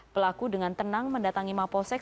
pelaku dengan tenang mendatangi mapolsek